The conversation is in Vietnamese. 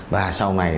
và sau này